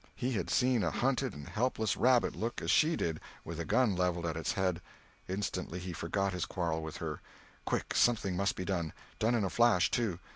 He had seen a hunted and helpless rabbit look as she did, with a gun levelled at its head. Instantly he forgot his quarrel with her. Quick—something must be done! done in a flash, too!